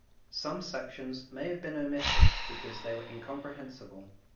Some sections may have been omitted because they were incomprehensible.